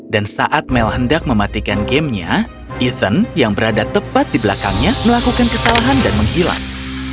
dan saat mel hendak mematikan gamenya ethan yang berada tepat di belakangnya melakukan kesalahan dan menghilang